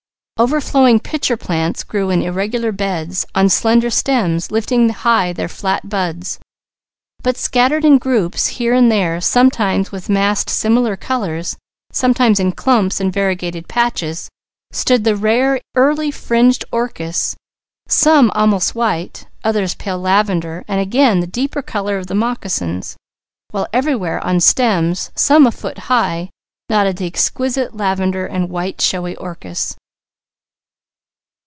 Overflowing pitcher plants grew in irregular beds, on slender stems, lifting high their flat buds. But scattered in groups here and there, sometimes with massed similar colours, sometimes in clumps and variegated patches, stood the rare, early fringed orchis, some almost white, others pale lavender and again the deeper colour of the moccasins; while everywhere on stems, some a foot high, nodded the exquisite lavender and white showy orchis.